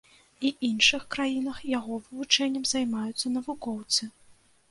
І іншых краінах яго вывучэннем займаюцца навукоўцы.